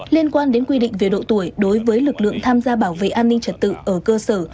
liên quan đến quy định về độ tuổi đối với lực lượng tham gia bảo vệ an ninh trật tự ở cơ sở